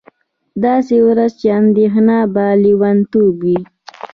داسې ورځ چې اندېښنه به لېونتوب وي